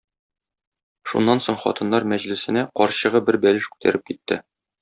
Шуннан соң хатыннар мәҗлесенә карчыгы бер бәлеш күтәреп китте.